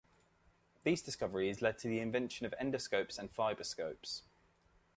These discoveries led to the invention of endoscopes and fiberscopes.